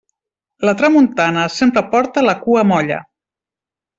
La tramuntana sempre porta la cua molla.